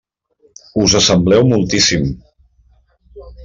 Us assembleu moltíssim.